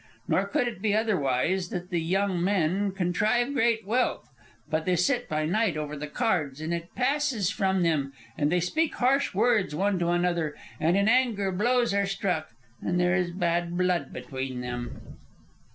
Nor could it be otherwise that the young men contrive great wealth; but they sit by night over the cards, and it passes from them, and they speak harsh words one to another, and in anger blows are struck, and there is bad blood between them.